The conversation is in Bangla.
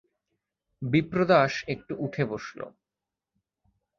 বিপ্রদাস একটু উঠে বসল।